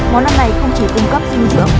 món ăn này không chỉ cung cấp dinh dưỡng